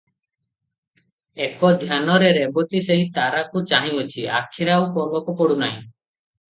ଏକ ଧ୍ୟାନରେ ରେବତୀ ସେହି ତାରାକୁ ଚାହିଁଅଛି, ଆଖିରେ ଆଉ ପଲକ ପଡ଼ୁ ନାହିଁ ।